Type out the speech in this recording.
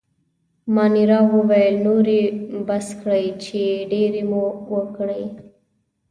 مانیرا وویل: نور يې بس کړئ، چې ډېرې مو وکړې.